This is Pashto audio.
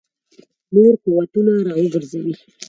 نور قوتونه را وګرځوي.